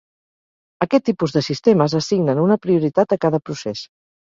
Aquest tipus de sistemes assignen una prioritat a cada procés.